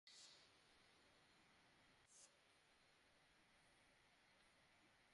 আমার কাছে আছে স্যার, এটাই আমার কাছে যথেষ্ট, স্যার।